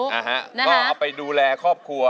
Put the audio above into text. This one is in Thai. นะฮะก็เอาไปดูแลครอบครัว